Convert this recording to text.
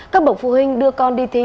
các bậc phụ huynh đưa con đi thi